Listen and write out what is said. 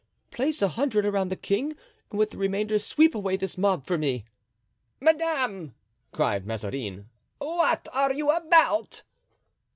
"Place a hundred around the king and with the remainder sweep away this mob for me." "Madame," cried Mazarin, "what are you about?"